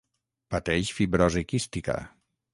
Pateix fibrosi quística.